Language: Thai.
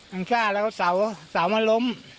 มันฆ่าแล้วเสามันล้ม